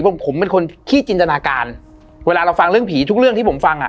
ผมผมเป็นคนขี้จินตนาการเวลาเราฟังเรื่องผีทุกเรื่องที่ผมฟังอ่ะ